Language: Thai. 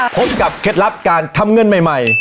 พบกับเคล็ดลับการทำเงินใหม่